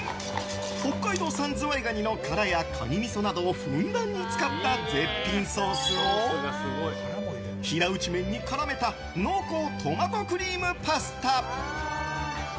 北海道産ズワイガニの殻やカニみそなどをふんだんに使った絶品ソースを平打ち麺に絡めた濃厚トマトクリームパスタ。